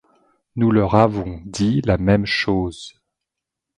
Nous leur avons dit la même chose.